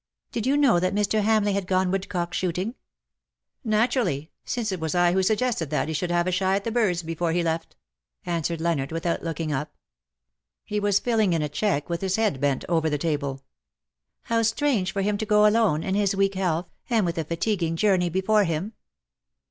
" Did you know that Mr. Hamleigh had gone woodcock shooting T' '^ Naturally, since it was I who suggested that he should have a shy at the birds before he left,'' answered Leonard, without looking up. He was filling in a cheque, with his head bent over the table. " How strange for him to go alone, in his weak health, and with a fatiguing journey before him.''